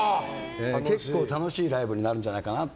結構、楽しいライブになるんじゃないかなと。